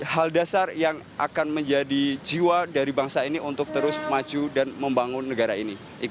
hal dasar yang akan menjadi jiwa dari bangsa ini untuk terus maju dan membangun negara ini